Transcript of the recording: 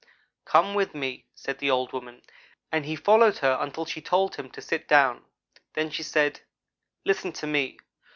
"'Come with me,' said the old woman, and he followed her until she told him to sit down. Then she said: 'Listen to me.